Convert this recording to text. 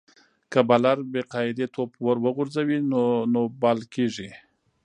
که بالر بې قاعدې توپ ور وغورځوي؛ نو نو بال ګڼل کیږي.